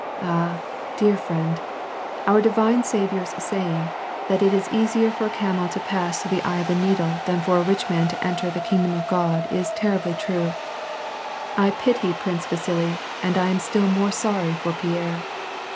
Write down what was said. Ah, dear friend ! our divine Sav iour's saying, that it is easier for a camel to pass through the eye of a needle than for a rich man to enter into the kingdom of God is terribly true ; I pity Prince Vasili and I am still more sorry for Pierre.